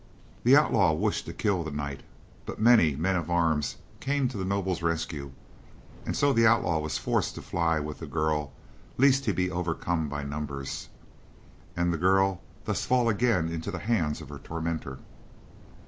"The outlaw wished to kill the knight, but many men at arms came to the noble's rescue, and so the outlaw was forced to fly with the girl lest he be overcome by numbers, and the girl thus fall again into the hands of her tormentor.